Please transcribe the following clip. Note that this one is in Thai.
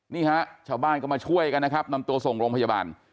นี่ฮะชาวบ้านก็มาช่วยกันนะครับนำตัวส่งโรงพยาบาล